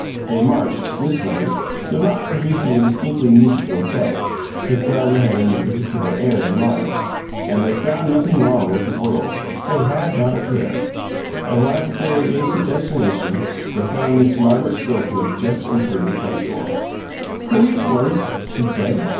They marched, whistling though not producing a distinctly musical effect, since neither had any particular air in mind and they found nothing wrong with the world; they had not a care. Arrived at their adjacent destination, they found Miss Margaret Schofield just entering the front door. "Hurry, boys!" she said.